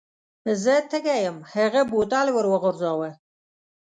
زه تږی یم هغه بوتل ور وغورځاوه.